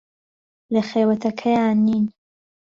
لە خێوەتەکەیان نین.